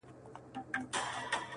دا چي انجوني ټولي ژاړي سترگي سرې دي~